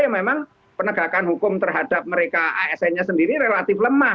memang penegakan hukum terhadap mereka asn nya sendiri relatif lemah